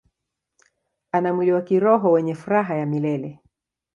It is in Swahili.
Ana mwili wa kiroho wenye furaha ya milele.